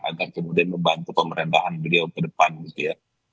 agar kemudian membantu pemerintahan beliau ke depan gitu ya